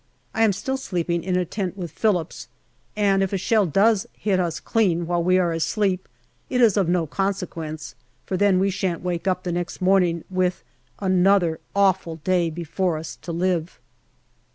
I am still sleeping in a tent with Phillips, and if a shell does hit us clean while we are asleep it is of no consequence, for then we shan't wake up the next morning with another awful day before us to live.